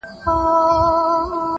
دا حالت د هغې رواني ماتې ژور انځور دی,